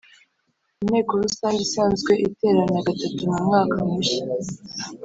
Inteko Rusange isanzwe iterana gatatu mu mwaka mushya